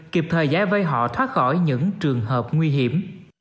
kịp thời gian với họ thoát khỏi những trường hợp nguy hiểm